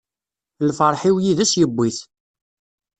Lferḥ-iw yid-s yewwi-t.